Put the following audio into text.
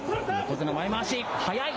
横綱、前まわし早い。